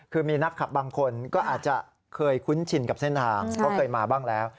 คือมีนักขับบางคนก็อาจจะเคยคุ้นชินกับเส้นทางเพราะเคยมาบ้างแล้ว